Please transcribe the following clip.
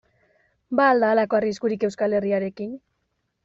Ba al da halako arriskurik Euskal Herriarekin?